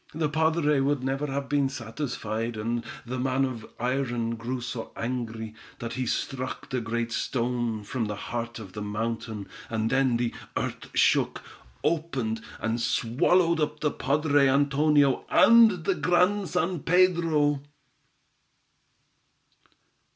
"The padre would never be satisfied, and the man of iron grew so angry, that he struck the great stone from the heart of the mountain, and then the earth shook, opened, and swallowed up the padre Antonio and the Grand San Pedro."